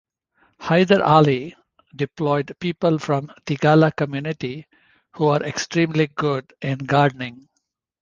Hyder Ali deployed people from Thigala community who were extremely good in gardening.